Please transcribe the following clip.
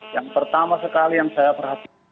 yang pertama sekali yang saya perhatikan